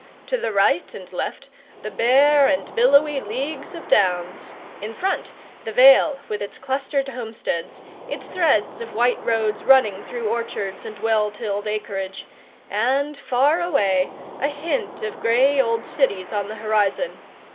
To the right and left, the bare and billowy leagues of Downs; in front, the vale, with its clustered homesteads, its threads of white roads running through orchards and well tilled acreage, and, far away, a hint of grey old cities on the horizon.